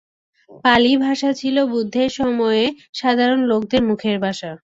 পালি ভাষা ছিল বুদ্ধের সময়ে সাধারণ লোকদের মুখের ভাষা।